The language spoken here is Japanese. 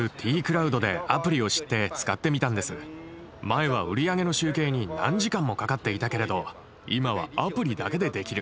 前は売り上げの集計に何時間もかかっていたけれど今はアプリだけでできる。